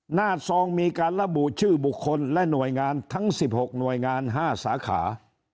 ซองมีการระบุชื่อบุคคลและหน่วยงานทั้ง๑๖หน่วยงาน๕สาขา